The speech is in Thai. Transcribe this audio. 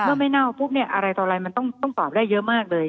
เมื่อไม่เน่าปุ๊บเนี่ยอะไรต่ออะไรมันต้องตอบได้เยอะมากเลย